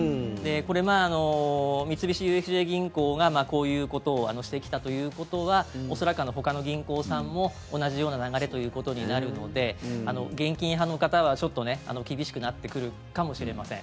これ、三菱ＵＦＪ銀行がこういうことをしてきたということは恐らく、ほかの銀行さんも同じような流れということになるので現金派の方はちょっと厳しくなってくるかもしれません。